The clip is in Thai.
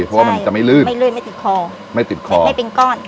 เพราะว่ามันจะไม่ลื่นไม่ติดคอไม่เป็นก้อน